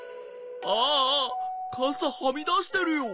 ああかさはみだしてるよ。